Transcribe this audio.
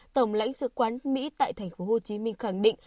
tổng lãnh sự quán mỹ tại thành phố hồ chí minh khẳng định